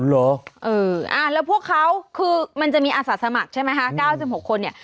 แล้วพวกเขาคือมันจะมีอาสาสมัครใช่ไหมคะ๙๖คนเนี่ย